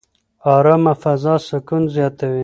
ارامه فضا سکون زیاتوي.